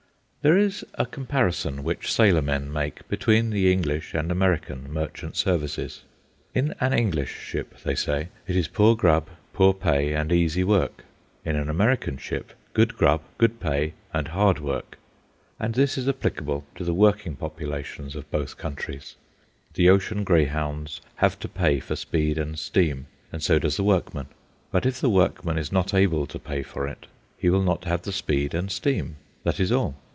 There is a comparison which sailormen make between the English and American merchant services. In an English ship, they say, it is poor grub, poor pay, and easy work; in an American ship, good grub, good pay, and hard work. And this is applicable to the working populations of both countries. The ocean greyhounds have to pay for speed and steam, and so does the workman. But if the workman is not able to pay for it, he will not have the speed and steam, that is all.